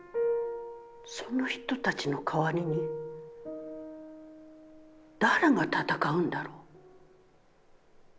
その人たちの代りに誰が戦うんだろう？